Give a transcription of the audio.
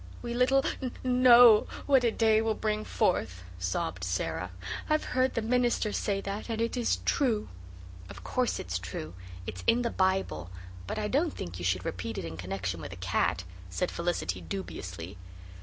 "We little k know what a day will bring forth," sobbed Sara. "I've heard the minister say that and it is true." "Of course it's true. It's in the Bible; but I don't think you should repeat it in connection with a cat," said Felicity dubiously.